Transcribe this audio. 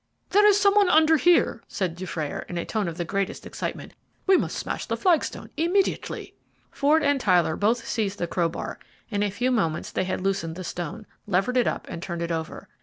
"There is some one under here," said Dufrayer, in a tone of the greatest excitement. "We must smash the flagstone immediately." Ford and Tyler both seized the crowbar. In a few moments they had loosened the stone, levered it up, and turned it over.